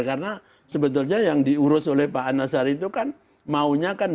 karena sebetulnya yang diurus oleh pak antarsaring itu kan maunya kan